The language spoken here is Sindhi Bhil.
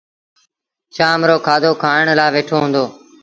شآم رو کآڌو کآڻ لآ ويٺو هُݩدو